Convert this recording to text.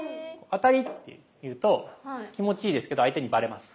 アタリって言うと気持ちいいですけど相手にバレます。